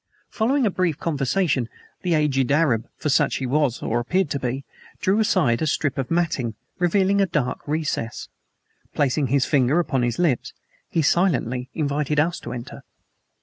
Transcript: Following a brief conversation, the aged Arab for such he appeared to be drew aside a strip of matting, revealing a dark recess. Placing his finger upon his lips, he silently invited us to enter.